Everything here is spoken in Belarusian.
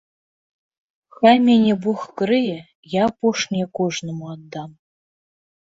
Хай мяне бог крые, я апошняе кожнаму аддам.